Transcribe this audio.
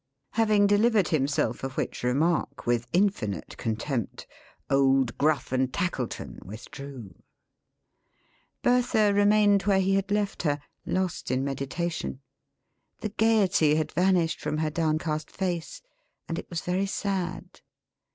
Having delivered himself of which remark, with infinite contempt, old Gruff and Tackleton withdrew. Bertha remained where he had left her, lost in meditation. The gaiety had vanished from her downcast face, and it was very sad.